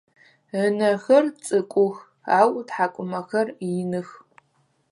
Ынэхэр цӏыкӏух ау ытхьакӏумэхэр иных.